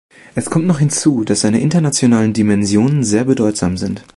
Es kommt noch hinzu, dass seine internationalen Dimensionen sehr bedeutsam sind.